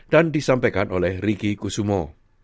dan disampaikan oleh riki kusumo